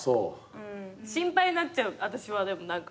心配になっちゃう私はでも何か。